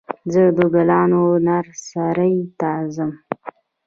زه د ګلانو نرسرۍ ته ځم.